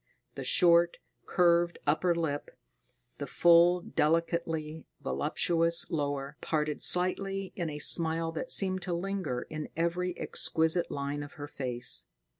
The short, curved upper lip, the full, delicately voluptuous lower, parted slightly in a smile that seemed to linger in every exquisite line of her face.